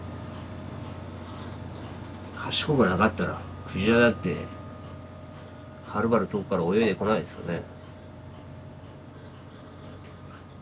賢くなかったら鯨だってはるばる遠くから泳いでこないですよね。